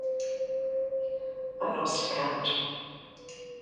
I lost count.